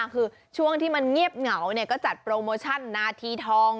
คือช่วงที่มันเงียบเหงาก็จัดโปรโมชั่นนาทีทอง